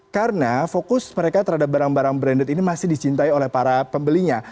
karena fokus mereka terhadap barang barang branded ini masih dicintai oleh para pembelinya